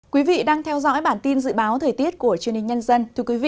quý vị đang theo dõi bản tin dự báo thời tiết của truyền hình nhân dân